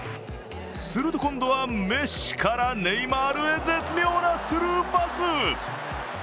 すると今度はメッシからネイマールへ絶妙なスルーパス。